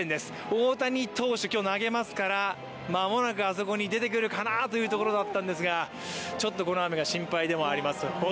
大谷投手、今日、投げますから間もなくあそこに出てくるかなという感じだったんですがちょっとこの雨が心配でもあります。